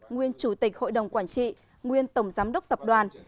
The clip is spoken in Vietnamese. nguyên chủ tịch hội đồng quản trị nguyên tổng giám đốc tập đoàn